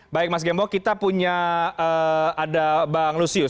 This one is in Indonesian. baik mas gembong kita punya ada bang lusius